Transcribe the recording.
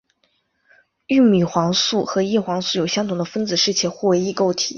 玉米黄素和叶黄素有相同的分子式且互为异构体。